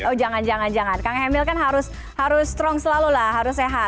oh jangan jangan kang emil kan harus strong selalu lah harus sehat